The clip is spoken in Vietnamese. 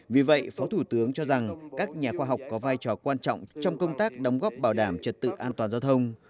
vì vậy phó thủ tướng cho rằng các nhà khoa học có vai trò quan trọng trong công tác đóng góp bảo đảm trật tự an toàn giao thông